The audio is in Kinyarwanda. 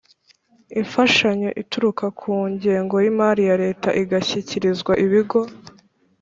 Imfashanyo ituruka ku ngengo y imari ya leta igashyikirizwa ibigo